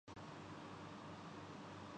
آل parties conference اور مذہب کی سیاست کیا مذہب کو